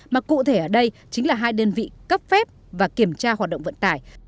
mà cụ thể ở đây chính là hai đơn vị cấp phép và kiểm tra hoạt động vận tải